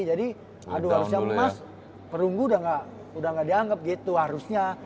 jadi aduh harusnya mas perunggu udah gak dianggap gitu harusnya